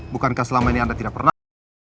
bukankah selama ini anda tidak pernah